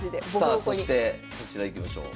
さあそしてこちらいきましょう。